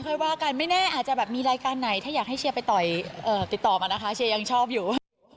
ค่อยว่ากันไม่แน่อาจจะแบบมีรายการไหนถ้าอยากให้เชียร์ไปติดต่อมานะคะเชียร์ยังชอบอยู่